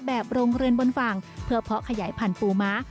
โรงเรือนบนฝั่งเพื่อเพาะขยายพันธุม้า